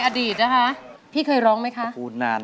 แกร์ดูอยู่ด้วยกันแล้วก็ผมก็ร้องแล้วเขาเคยโกธ